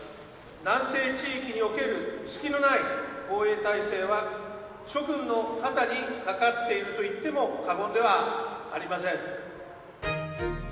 南西地域における隙のない防衛体制は、諸君の肩にかかっているといっても過言ではありません。